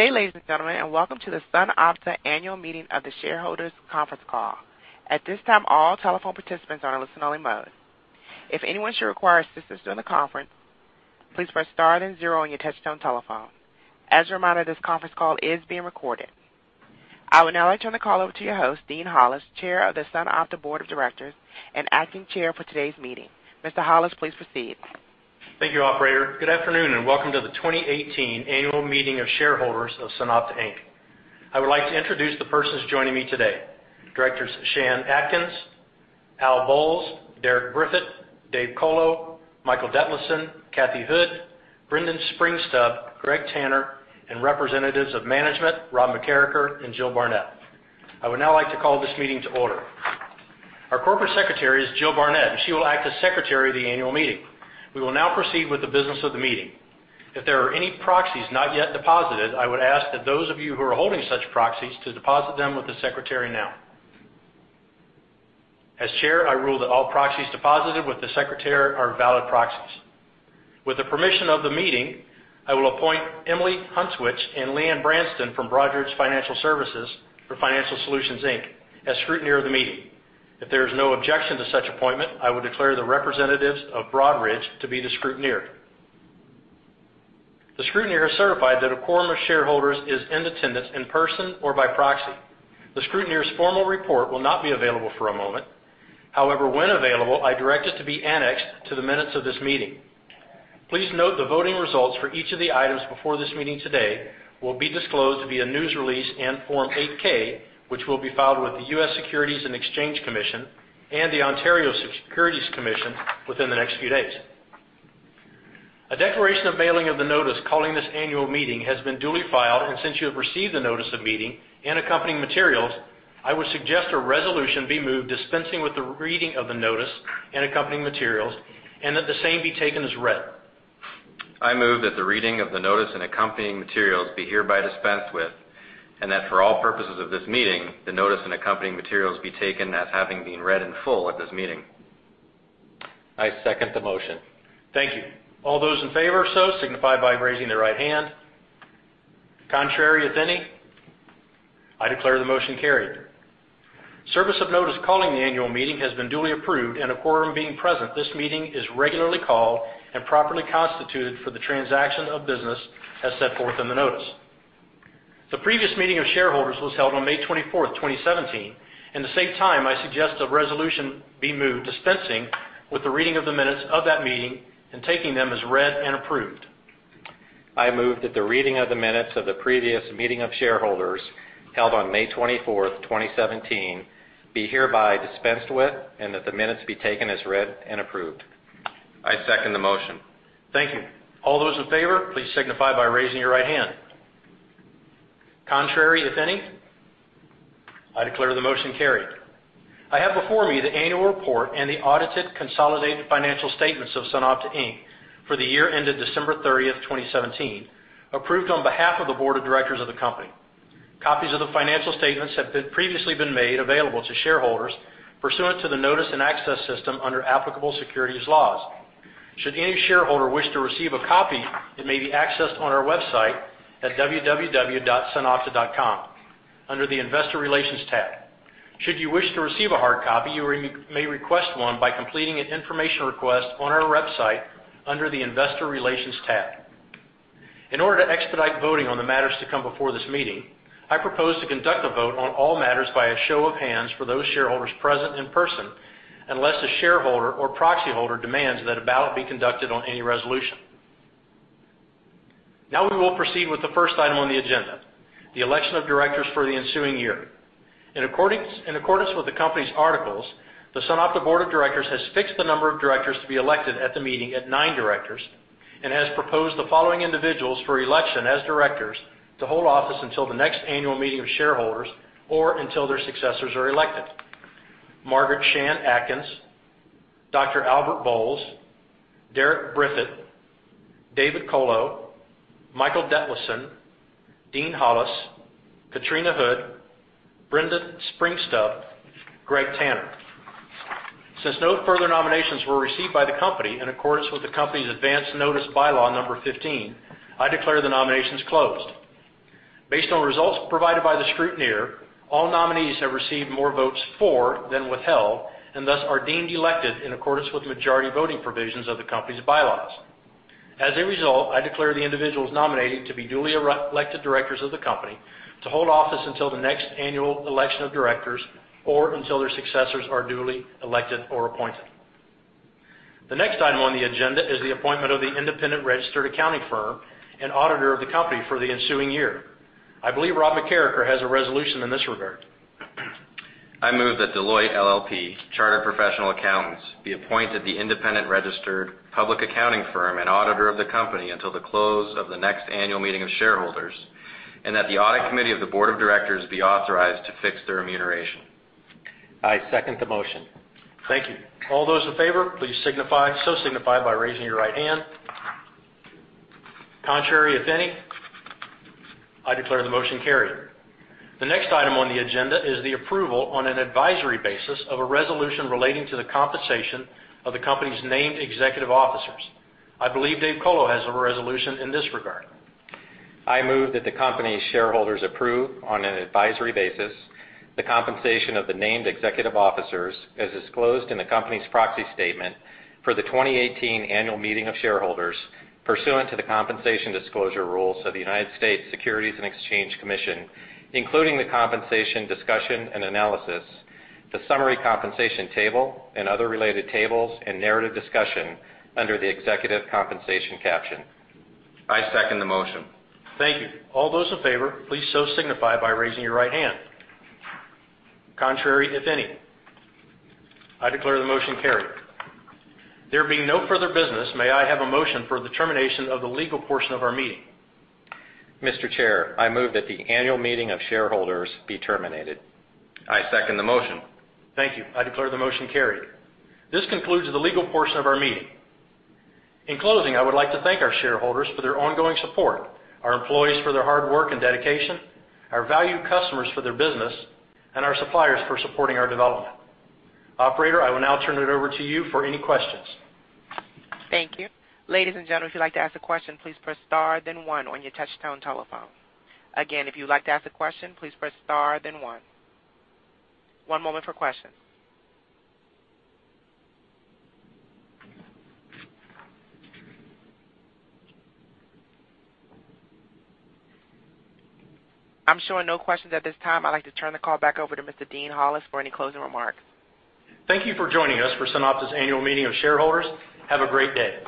Good day, ladies and gentlemen, welcome to the SunOpta Annual Meeting of the Shareholders Conference Call. At this time, all telephone participants are in listen-only mode. If anyone should require assistance during the conference, please press star then zero on your touch-tone telephone. As a reminder, this conference call is being recorded. I would now like to turn the call over to your host, Dean Hollis, Chair of the SunOpta Board of Directors and Acting Chair for today's meeting. Mr. Hollis, please proceed. Thank you, operator. Good afternoon, welcome to the 2018 Annual Meeting of Shareholders of SunOpta, Inc. I would like to introduce the persons joining me today, Directors Shan Atkins, Al Bolles, Derek Briffett, Dave Colo, Michael Detlefsen, Kathy Houde, Brendan Springstubb, Gregg Tanner, and representatives of management, Rob McKeracher and Jill Barnett. I would now like to call this meeting to order. Our corporate secretary is Jill Barnett, she will act as Secretary of the annual meeting. We will now proceed with the business of the meeting. If there are any proxies not yet deposited, I would ask that those of you who are holding such proxies to deposit them with the secretary now. As Chair, I rule that all proxies deposited with the secretary are valid proxies. With the permission of the meeting, I will appoint Emily Huntswitch and Leanne Branston from Broadridge Financial Services for Financial Solutions Inc. as Scrutineer of the meeting. If there is no objection to such appointment, I would declare the representatives of Broadridge to be the scrutineer. The scrutineer has certified that a quorum of shareholders is in attendance in person or by proxy. The scrutineer's formal report will not be available for a moment. However, when available, I direct it to be annexed to the minutes of this meeting. Please note the voting results for each of the items before this meeting today will be disclosed via news release and Form 8-K, which will be filed with the U.S. Securities and Exchange Commission and the Ontario Securities Commission within the next few days. A declaration of mailing of the notice calling this annual meeting has been duly filed, since you have received the notice of meeting and accompanying materials, I would suggest a resolution be moved dispensing with the reading of the notice and accompanying materials, that the same be taken as read. I move that the reading of the notice and accompanying materials be hereby dispensed with, and that for all purposes of this meeting, the notice and accompanying materials be taken as having been read in full at this meeting. I second the motion. Thank you. All those in favor so signify by raising their right hand. Contrary, if any. I declare the motion carried. Service of notice calling the annual meeting has been duly approved, and a quorum being present, this meeting is regularly called and properly constituted for the transaction of business as set forth in the notice. The previous meeting of shareholders was held on May 24th, 2017. In the same time, I suggest a resolution be moved dispensing with the reading of the minutes of that meeting and taking them as read and approved. I move that the reading of the minutes of the previous meeting of shareholders held on May 24th, 2017, be hereby dispensed with, and that the minutes be taken as read and approved. I second the motion. Thank you. All those in favor, please signify by raising your right hand. Contrary, if any. I declare the motion carried. I have before me the annual report and the audited consolidated financial statements of SunOpta Inc. for the year ended December 30th, 2017, approved on behalf of the board of directors of the company. Copies of the financial statements have previously been made available to shareholders pursuant to the notice and access system under applicable securities laws. Should any shareholder wish to receive a copy, it may be accessed on our website at www.sunopta.com under the Investor Relations tab. Should you wish to receive a hard copy, you may request one by completing an information request on our website under the Investor Relations tab. In order to expedite voting on the matters to come before this meeting, I propose to conduct a vote on all matters by a show of hands for those shareholders present in person, unless the shareholder or proxy holder demands that a ballot be conducted on any resolution. We will proceed with the first item on the agenda, the election of directors for the ensuing year. In accordance with the company's articles, the SunOpta board of directors has fixed the number of directors to be elected at the meeting at nine directors and has proposed the following individuals for election as directors to hold office until the next annual meeting of shareholders or until their successors are elected. Margaret Shan Atkins, Dr. Albert Bolles, Derek Briffett, David Colo, Michael Detlefsen, Dean Hollis, Katrina Houde, Brendan Springstubb, Gregg Tanner. Since no further nominations were received by the company in accordance with the company's Advance Notice By-Law number 15, I declare the nominations closed. Based on results provided by the scrutineer, all nominees have received more votes for than withheld and thus are deemed elected in accordance with majority voting provisions of the company's bylaws. As a result, I declare the individuals nominated to be duly elected directors of the company to hold office until the next annual election of directors or until their successors are duly elected or appointed. The next item on the agenda is the appointment of the independent registered accounting firm and auditor of the company for the ensuing year. I believe Rob McKeracher has a resolution in this regard. I move that Deloitte LLP, chartered professional accountants, be appointed the independent registered public accounting firm and auditor of the company until the close of the next annual meeting of shareholders, and that the audit committee of the board of directors be authorized to fix their remuneration. I second the motion. Thank you. All those in favor, please so signify by raising your right hand. Contrary, if any. I declare the motion carried. The next item on the agenda is the approval on an advisory basis of a resolution relating to the compensation of the company's named executive officers. I believe Dave Colo has a resolution in this regard. I move that the company's shareholders approve, on an advisory basis, the compensation of the named executive officers as disclosed in the company's proxy statement for the 2018 annual meeting of shareholders pursuant to the compensation disclosure rules of the United States Securities and Exchange Commission, including the compensation discussion and analysis, the summary compensation table, and other related tables and narrative discussion under the Executive Compensation caption. I second the motion. Thank you. All those in favor, please so signify by raising your right hand. Contrary, if any. I declare the motion carried. There being no further business, may I have a motion for the termination of the legal portion of our meeting? Mr. Chair, I move that the annual meeting of shareholders be terminated. I second the motion. Thank you. I declare the motion carried. This concludes the legal portion of our meeting. In closing, I would like to thank our shareholders for their ongoing support, our employees for their hard work and dedication, our valued customers for their business, and our suppliers for supporting our development. Operator, I will now turn it over to you for any questions. Thank you. Ladies and gentlemen, if you'd like to ask a question, please press star then one on your touch-tone telephone. Again, if you'd like to ask a question, please press star then one. One moment for questions. I'm showing no questions at this time. I'd like to turn the call back over to Mr. Dean Hollis for any closing remarks. Thank you for joining us for SunOpta's Annual Meeting of Shareholders. Have a great day.